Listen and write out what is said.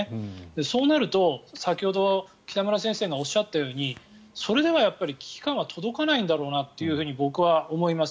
そうなると、先ほど北村先生がおっしゃったようにそれでは危機感は届かないんだろうなと僕は思います。